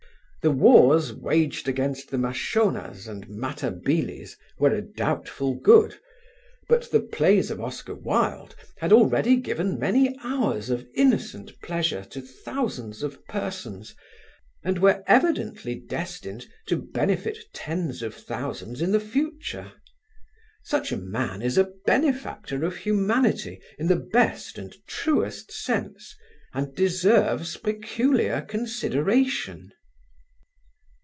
The wars waged against the Mashonas and Matabeles were a doubtful good; but the plays of Oscar Wilde had already given many hours of innocent pleasure to thousands of persons, and were evidently destined to benefit tens of thousands in the future. Such a man is a benefactor of humanity in the best and truest sense, and deserves peculiar consideration.